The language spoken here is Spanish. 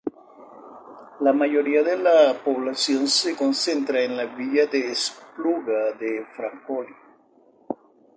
La mayoría de la población se concentra en la villa de Espluga de Francolí.